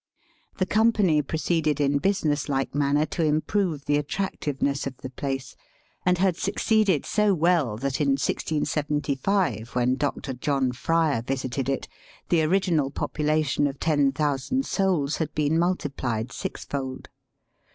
The Company proceeded in business Hke manner to improve the attractiveness of the place, and had succeeded so well that in 1675, when Dr. John Fryer visited it, the original population of 10,000 souls had been multipUed sixfold.